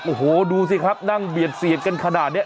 โอ้โหดูสิครับนั่งเบียดเสียดกันขนาดนี้